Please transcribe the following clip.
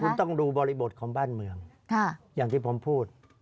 คุณต้องดูบริบทของบ้านเมืองอย่างที่ผมพูด